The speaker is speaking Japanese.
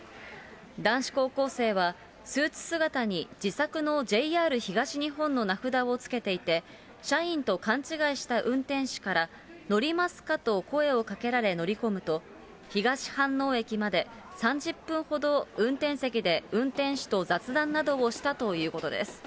男子高校生は、スーツ姿に自作のＪＲ東日本の名札をつけていて、社員と勘違いした運転士から、乗りますかと声をかけられ乗り込むと、東飯能駅まで３０分ほど運転席で運転士と雑談などをしたということです。